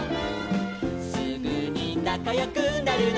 「すぐになかよくなるの」